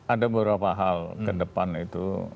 ada beberapa hal kedepan itu